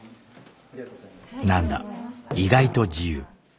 なんだ意外と自由。